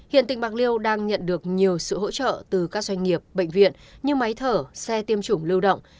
hiện tỉnh bạc liêu đang nhận được nhiều sự hỗ trợ từ các doanh nghiệp bệnh viện như máy thở xe tiêm chủng lưu động